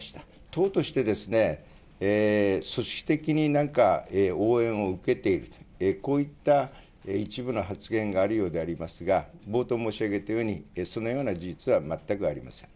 党として、組織的になんか応援を受けている、こういった一部の発言があるようでありますが、冒頭申し上げたように、そのような事実は全くありません。